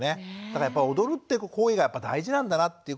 だからやっぱり踊るって行為がやっぱ大事なんだなって。